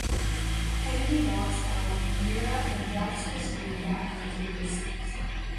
Henry knocks out Meera and drags Christine back down to the basement.